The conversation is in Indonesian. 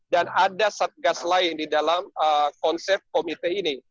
dan ada satgas lain di dalam konsep komite ini